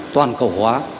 toàn cầu hóa